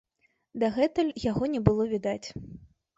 Дагэтуль яго не было відаць.